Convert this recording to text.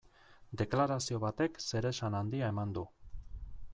Deklarazio batek zeresan handia eman du.